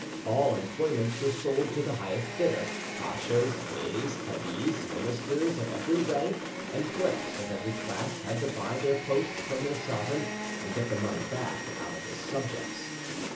All employments were sold to the highest bidder; pachas, beys, cadis, ministers of every rank, and clerks of every class had to buy their posts from their sovereign and get the money back out of his subjects.